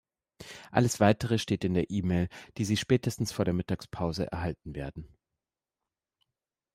Alles Weitere steht in der E-Mail, die sie spätestens vor der Mittagspause erhalten werden.